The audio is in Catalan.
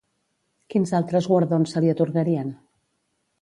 Quins altres guardons se li atorgarien?